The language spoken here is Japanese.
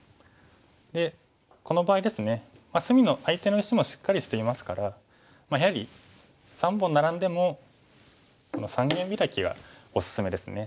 でこの場合ですね隅の相手の石もしっかりしていますからやはり３本ナラんでもこの三間ビラキがおすすめですね。